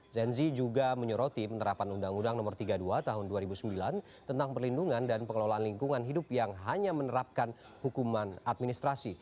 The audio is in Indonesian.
zenzi juga menyoroti penerapan undang undang no tiga puluh dua tahun dua ribu sembilan tentang perlindungan dan pengelolaan lingkungan hidup yang hanya menerapkan hukuman administrasi